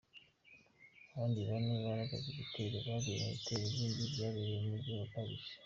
Abandi bane mu bagabye igitero baguye mu bitero bindi byabereye mu mujyi wa Paris.